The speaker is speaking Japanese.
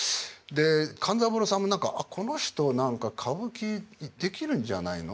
で勘三郎さんも何か「あっこの人何か歌舞伎できるんじゃないの？」